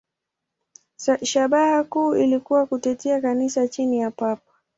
Shabaha kuu ilikuwa kutetea Kanisa chini ya Papa.